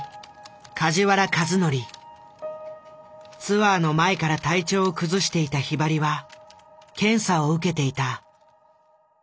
ツアーの前から体調を崩していたひばりは検査を受けていた。